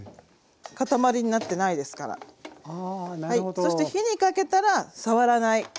そして火にかけたら触らない。